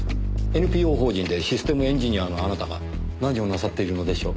ＮＰＯ法人でシステムエンジニアのあなたが何をなさっているのでしょう？